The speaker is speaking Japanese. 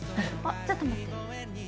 あっちょっと待って。